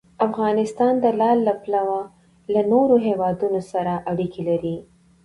افغانستان د لعل له پلوه له نورو هېوادونو سره اړیکې لري.